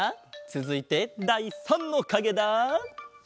つづいてだい３のかげだ。